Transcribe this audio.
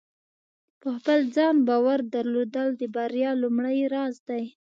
په خپل ځان باور درلودل د بریا لومړۍ راز دی.